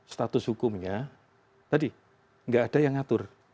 status hukumnya tadi nggak ada yang ngatur